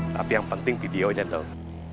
tapi yang penting videonya dong